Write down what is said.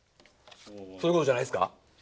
そういうことじゃないですか？